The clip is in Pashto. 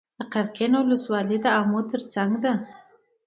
د قرقین ولسوالۍ د امو تر څنګ ده